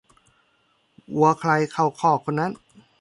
วัวใครเข้าคอกคนนั้น